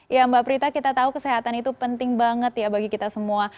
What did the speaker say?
ya mbak prita kita tahu kesehatan itu penting banget ya bagi kita semua